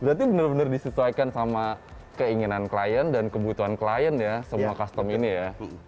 berarti benar benar disesuaikan sama keinginan klien dan kebutuhan klien ya semua custom ini ya